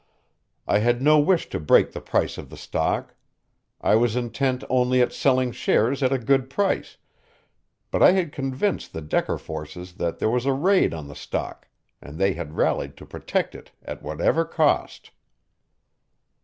I had no wish to break the price of the stock. I was intent only at selling shares at a good price, but I had convinced the Decker forces that there was a raid on the stock, and they had rallied to protect it at whatever cost.